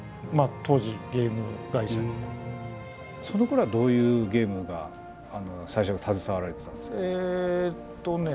そのころはどういうゲームが最初に携わられてたんですか？